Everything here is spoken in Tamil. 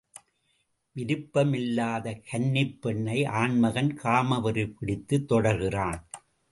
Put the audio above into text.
விருப்பம் இல்லாத கன்னிப் பெண்ணை ஆண்மகன் காமவெறி பிடித்துத் தொடர்கிறான்.